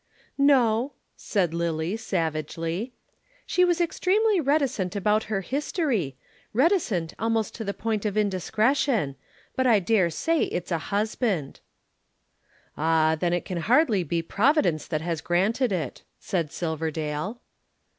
"No," said Lillie savagely. "She was extremely reticent about her history reticent almost to the point of indiscretion. But I daresay it's a husband." "Ah, then it can hardly be Providence that has granted it," said Silverdale.